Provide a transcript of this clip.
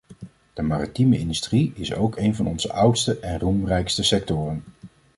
De maritieme industrie is ook een van onze oudste en roemrijkste sectoren.